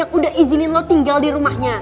yang udah izinin lo tinggal di rumahnya